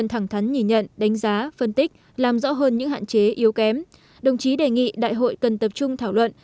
hơn những hạn chế yếu kém đồng chí đề nghị đại hội cần tập trung thảo luận